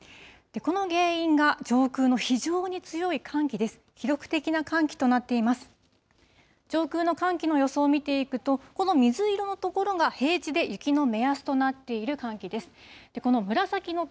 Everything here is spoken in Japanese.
この原因が上空の非常に強い寒気です。